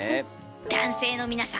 男性の皆さん